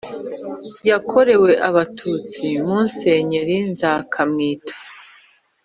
yakorewe Abatutsi Musenyeri Nzakamwita